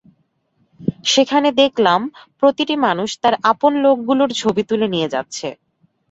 সেখানে দেখলাম, প্রতিটি মানুষ তার আপন লোকগুলোর ছবি তুলে নিয়ে যাচ্ছে।